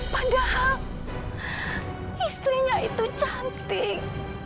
padahal istrinya itu cantik